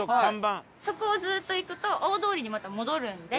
そこをずっと行くと大通りにまた戻るんで。